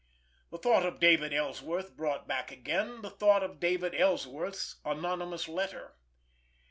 The thought of David Ellsworth brought back again the thought of David Ellsworth's anonymous letter.